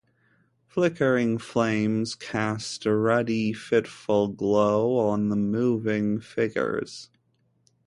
Flickering flames cast a ruddy fitful glow on the moving figures.